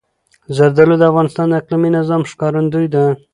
زردالو د افغانستان د اقلیمي نظام ښکارندوی ده.